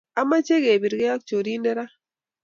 amache kepirkee ak chorindet raa